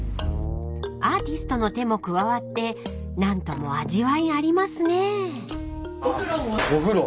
［アーティストの手も加わって何とも味わいありますね］